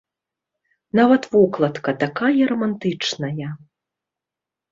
Нават вокладка такая рамантычная.